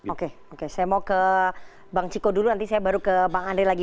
oke oke saya mau ke bang ciko dulu nanti saya baru ke bang andre lagi